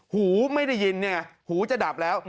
หูไม่ได้ยินหูจะดับแล้ว